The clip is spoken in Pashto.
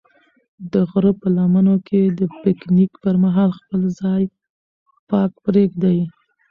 د غره په لمنو کې د پکنیک پر مهال خپل ځای پاک پرېږدئ.